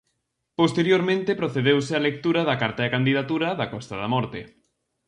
Posteriormente procedeuse a lectura da carta de candidatura da Costa da Morte.